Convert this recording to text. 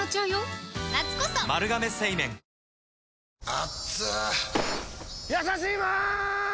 すごい！やさしいマーン！！